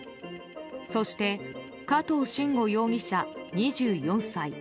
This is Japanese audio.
そして加藤臣吾容疑者、２４歳。